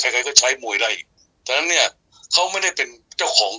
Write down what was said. ใครก็ใช้มวยไล่ฉะนั้นเนี่ยเขาไม่ได้เป็นเจ้าของ